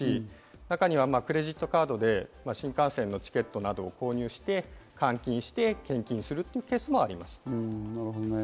中にはクレジットカードで新幹線のチケットなどを購入して換金して、献金するというケースもあります。